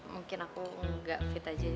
mungkin aku nggak fit aja